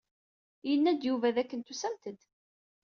Yenna-d Yuba dakken tusamt-d.